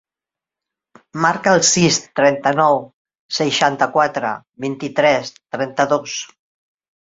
Marca el sis, trenta-nou, seixanta-quatre, vint-i-tres, trenta-dos.